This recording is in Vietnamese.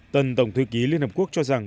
tân tổng thư ký liên hợp quốc cho rằng